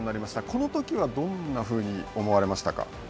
このときは、どんなふうに思われましたか。